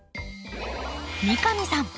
三上さん